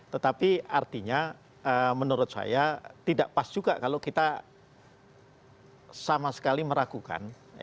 tetapi artinya menurut saya tidak pas juga kalau kita sama sekali meragukan